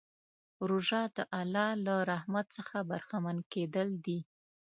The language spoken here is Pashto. روژه د الله له رحمت څخه برخمن کېدل دي.